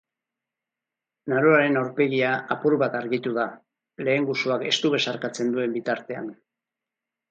Naroaren aurpegia apur bat argitu da, lehengusuak estu besarkatzen duen bitartean.